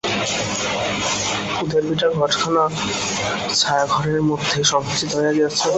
পুধের ভিটার ঘরখানার ছায়া ঘরের মধ্যেই সঙ্কুচিত হইয়া গিয়াছে।